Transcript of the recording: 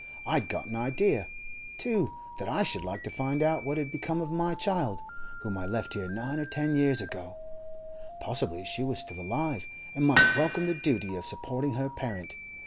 I'd got an idea, too, that I should like to find out what had become of my child, whom I left here nine or ten years ago; possibly she was still alive, and might welcome the duty of supporting her parent.